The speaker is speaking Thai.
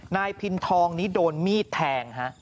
นายพินทองนี้โดนมีดแทงฮะ